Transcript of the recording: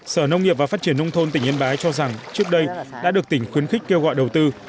sở nông nghiệp và phát triển nông thôn tỉnh yên bái cho rằng trước đây đã được tỉnh khuyến khích kêu gọi đầu tư